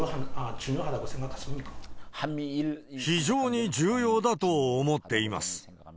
非常に重要だと思っています。